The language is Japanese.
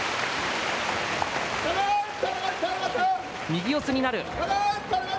右四つになる。